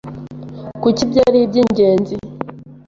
Kuki ibyo ari iby’ingenzi